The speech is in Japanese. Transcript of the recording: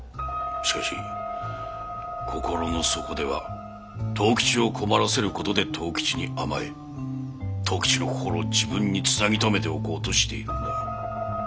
しかし心の底では藤吉を困らせる事で藤吉に甘え藤吉の心を自分につなぎ止めておこうとしているんだ。